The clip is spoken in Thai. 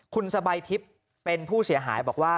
คุณสบายทิพย์เป็นผู้เสียหายบอกว่า